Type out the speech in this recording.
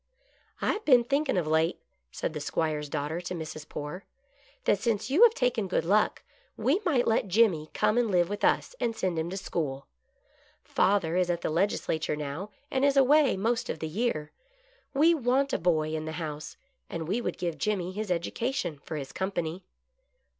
" I have been thinking of late," said the 'Squire's daughter to Mrs. Poore, " that since you have taken Good Luck, we might let Jimmy come and live with us, and send him to school. Father is at the Legisla ture now, and is away most of the year. We want a boy in the house, and we would give Jimmy his educa tion for his company."